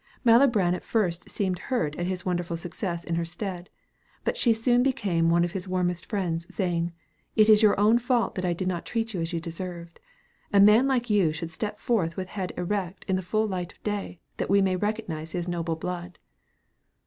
Malibran at first seemed hurt at his wonderful success in her stead, but she soon became one of his warmest friends, saying, "It is your own fault that I did not treat you as you deserved. A man like you should step forth with head erect in the full light of day, that we may recognize his noble blood."